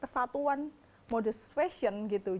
pada saat ini modest fashion menjadi kesatuan modus fashion